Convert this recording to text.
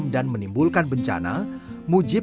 sadar akan tindakan illegal logging yang bisa merusak alam